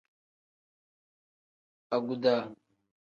Aguda.